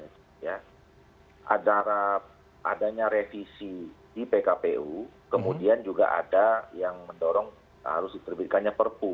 adanya revisi di pkpu kemudian juga ada yang mendorong harus diterbitkannya perpu